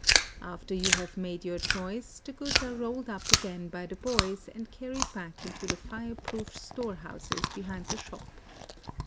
After you have 180 IN OSAKA made your choice, the goods are rolled up again by the boys, and carried back into the fire proof storehouses behind the shop.